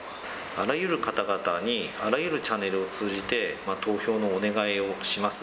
あらゆる方々に、あらゆるチャンネルを通じて、投票のお願いをします。